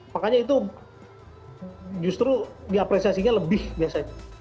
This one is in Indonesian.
makanya itu justru diapresiasinya lebih biasanya